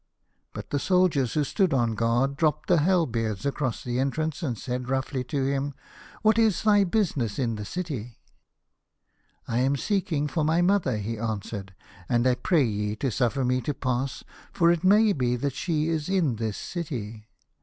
But the soldiers who stood on guard dropped their halberts across the en trance, and said roughly to him, " What is thy business in the city ?" u 145 A House of Pomegranates. " I ain seeking for my mother," he answered, " and I pray ye to suffer me to pass, for it may be that she is in this city."